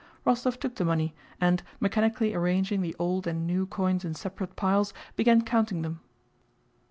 Rostóv took the money and, mechanically arranging the old and new coins in separate piles, began counting them.